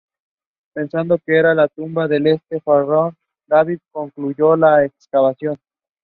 It is held at the site of the former Whitaker State Orphans Home.